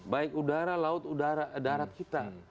baik udara laut udara darat kita